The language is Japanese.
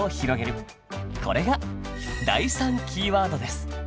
これが第３キーワードです。